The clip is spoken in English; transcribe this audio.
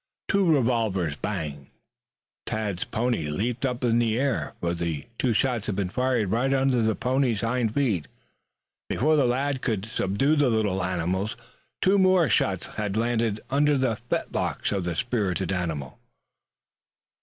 Two revolvers banged. Tad's pony leaped up into the air, for the two shots had been fired right under the pony's hind feet. Ere the lad could subdue the little animal two more shots had landed under the fetlocks of the spirited animal.